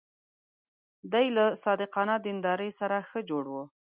دی له صادقانه دیندارۍ سره ښه جوړ و.